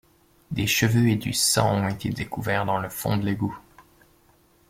Des cheveux et du sang ont été découverts dans le fond de l'égout.